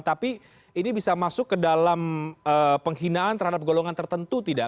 tapi ini bisa masuk ke dalam penghinaan terhadap golongan tertentu tidak